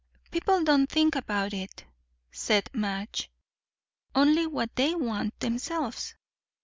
"People don't think about it," said Madge; "only what they want themselves.